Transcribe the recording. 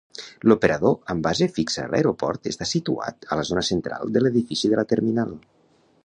L'operador amb base fixa a l'aeroport està situat a la zona central de l'edifici de la terminal.